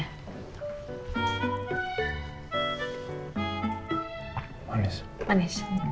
enak banget kan say